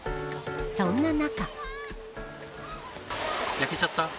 そんな中。